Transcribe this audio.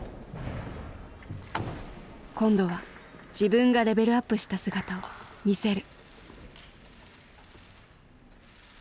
今度は自分がレベルアップした姿を見せる。